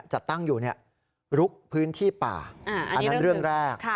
จัดตั้งอยู่ลุกพื้นที่ป่าอันนั้นเรื่องแรก